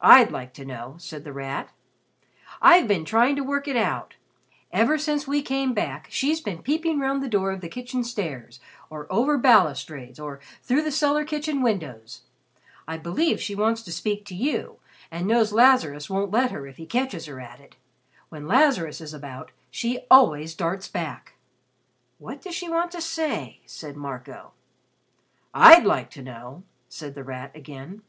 "I'd like to know," said The Rat. "I've been trying to work it out. Ever since we came back, she's been peeping round the door of the kitchen stairs, or over balustrades, or through the cellar kitchen windows. I believe she wants to speak to you, and knows Lazarus won't let her if he catches her at it. When Lazarus is about, she always darts back." "What does she want to say?" said Marco. "I'd like to know," said The Rat again.